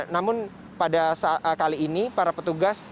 namun pada kali ini para petugas